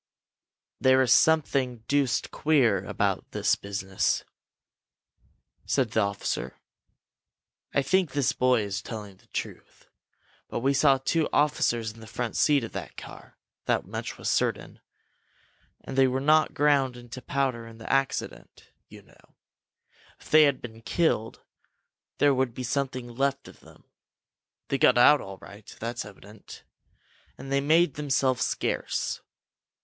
"There is something deuced queer about this business!" said the officer. "I think this boy is telling the truth, but we saw two officers in the front seat of that car. That much was certain. They were not ground into powder in the accident, you know. If they had been killed, there would be something left of them. They got out all right that's evident. And they made themselves scarce.